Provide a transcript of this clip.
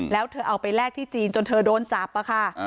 แล้วเธอเอาไปแลกที่จีนจนเธอโดนจับค่ะ